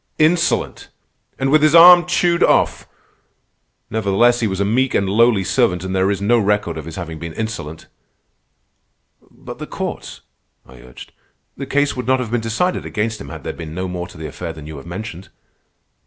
Insolent! And with his arm chewed off! Nevertheless he was a meek and lowly servant, and there is no record of his having been insolent." "But the courts," I urged. "The case would not have been decided against him had there been no more to the affair than you have mentioned."